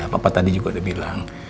iya papa tadi juga udah bilang